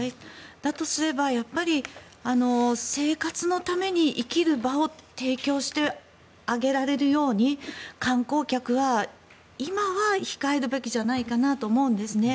だとすれば、やっぱり生活のために生きる場を提供してあげられるように観光客は、今は控えるべきじゃないかなと思うんですね。